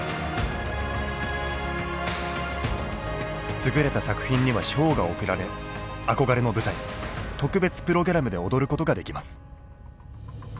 優れた作品には賞が贈られ憧れの舞台「特別プログラム」で踊ることができます。